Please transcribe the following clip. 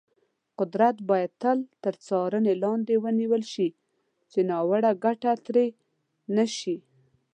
قدرت باید تل تر څارنې لاندې ونیول شي، چې ناوړه ګټه ترې نه شي.